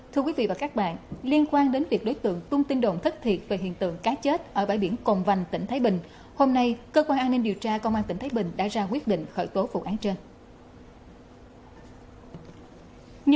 thưa quý vị và các bạn liên quan đến việc đối tượng tung tin đồn thất thiệt về hiện tượng cá chết ở bãi biển cồn vành tỉnh thái bình hôm nay cơ quan an ninh điều tra công an tỉnh thái bình đã ra quyết định khởi tố vụ án trên